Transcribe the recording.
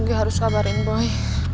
gak harus kabarin boy